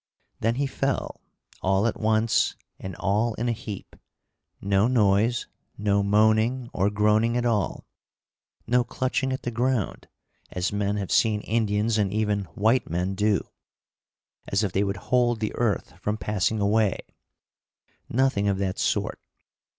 Then he fell, all at once and all in a heap. No noise, no moaning or groaning at all, no clutching at the ground, as men have seen Indians and even white men do; as if they would hold the earth from passing away nothing of that sort.